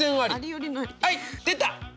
はい出た！